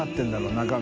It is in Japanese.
中身。